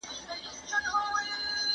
کتابتوني کار د مور له خوا کيږي!!